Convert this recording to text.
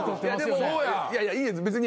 いいです別に。